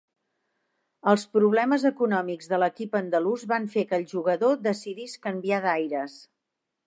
Els problemes econòmics de l'equip andalús van fer que el jugador decidís canviar d'aires.